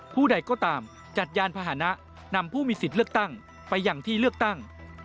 ผู้ใดก็ตามจัดยานพาหนะนำผู้มีสิทธิ์เลือกตั้งไปอย่างที่เลือกตั้ง